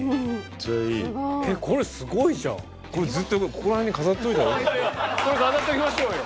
ここに飾っておきましょうよ。